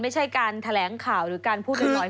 ในการแถลงข่าวหรือการพูดเรียบร้อยขึ้นมา